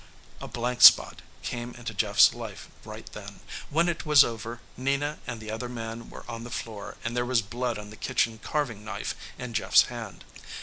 A blank spot came into Jeff's life right then. When it was over, Nina and the other man were on the floor and there was blood on the kitchen carving knife in Jeff's hand.